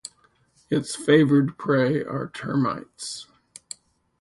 It's favored prey are termites.